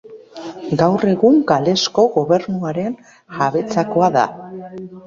Gaur egun Galesko Gobernuaren jabetzakoa da.